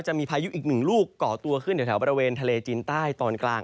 พายุอีกหนึ่งลูกก่อตัวขึ้นแถวบริเวณทะเลจีนใต้ตอนกลาง